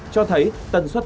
cho thấy tần suất